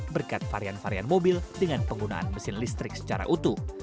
berkat varian varian mobil dengan penggunaan mesin listrik secara utuh